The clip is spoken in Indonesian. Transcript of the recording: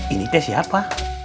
ini teh siapa